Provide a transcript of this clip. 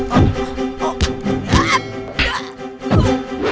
jangan lupa jai